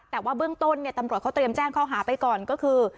แต่ว่าเบื้องต้นเนี่ยตำรวจเขาเตรียมแจ้งข้อหาไปก่อนก็คือ